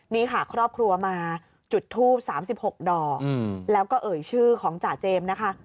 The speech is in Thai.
นี่ค่ะครอบครัวมาจุดทูป๓๖ดอกแล้วก็เอ่ยชื่อของจ่าเจมส์นะคะ